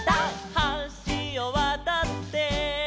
「はしをわたって」